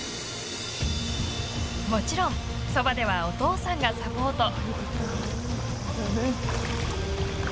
もちろんそばではお父さんがサポート。